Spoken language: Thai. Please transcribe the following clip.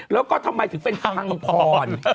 แล้วก็ทำไมถึงเป็นพังพร